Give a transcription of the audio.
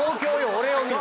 俺を見ろ。